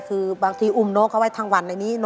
คือบางทีอุ้มน้องเขาไว้ทั้งวันในนี้